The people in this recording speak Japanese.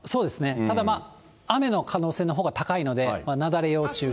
ただまあ、雨の可能性のほうが高いので、雪崩要注意。